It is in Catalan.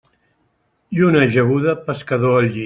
Lluna ajaguda, pescador al llit.